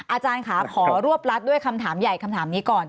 อาจารย์ค่ะขอรวบรัดด้วยคำถามใหญ่คำถามนี้ก่อน